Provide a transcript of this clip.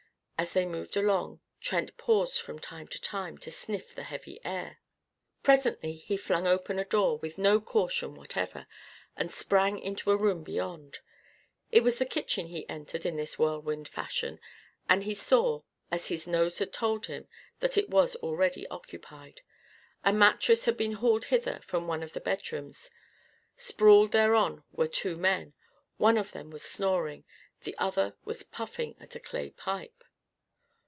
As they moved along, Trent paused from time to time, to sniff the heavy air. Presently he flung open a door, with no caution whatever, and sprang into a room beyond. It was the kitchen he entered in this whirlwind fashion. And he saw, as his nose had told him, that it was already occupied. A mattress had been hauled hither from one of the bedrooms. Sprawled thereon were two men. One of them was snoring, the other was puffing at a clay pipe.